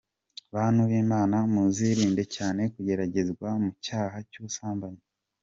Bantu b’Imana muzirinde cyane kugeragezwa mu cyaha cy’ubusambanyi.